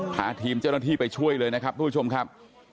พาทีมเจ้าหน้าที่ไปช่วยเลยนะครับทุกผู้ชมครับ